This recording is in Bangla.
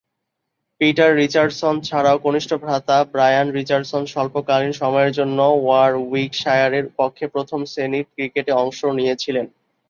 পিটার রিচার্ডসন ছাড়াও কনিষ্ঠ ভ্রাতা ব্রায়ান রিচার্ডসন স্বল্পকালীন সময়ের জন্যে ওয়ারউইকশায়ারের পক্ষে প্রথম-শ্রেণীর ক্রিকেটে অংশ নিয়েছিলেন।